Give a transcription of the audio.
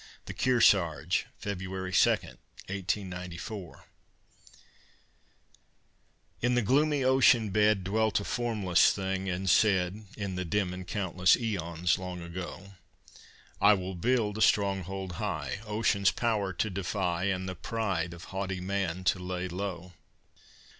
THE KEARSARGE [February 2, 1894] In the gloomy ocean bed Dwelt a formless thing, and said, In the dim and countless eons long ago, "I will build a stronghold high, Ocean's power to defy, And the pride of haughty man to lay low."